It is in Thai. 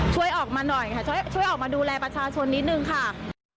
ช่วยออกมาหน่อยค่ะช่วยออกมาดูแลประชาชนนิดนึงค่ะ